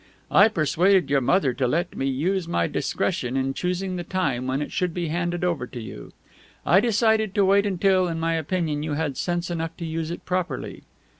I persuaded your mother to let me use my discretion in choosing the time when it should be handed over to you. I decided to wait until, in my opinion, you had sense enough to use it properly.